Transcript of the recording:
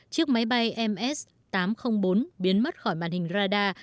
chiếc máy bay ms tám trăm linh bốn biến mất khỏi màn hình radar